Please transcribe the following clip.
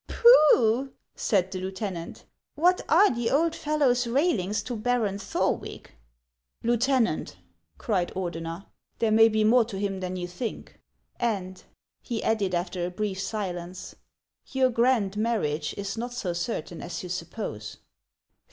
" Pooh !" said the lieutenant. " What are the old fel low's railings to Baron Thorwick ?"" Lieutenant," cried Ordener, " they may be more to him than you think. And," he added, after a brief silence, "your grand marriage is not so certain as you suppose."